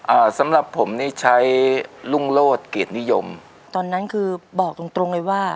อ่าสำหรับผมนี่ใช้รุ่งโลศเกียรตินิยมตอนนั้นคือบอกตรงตรงเลยว่า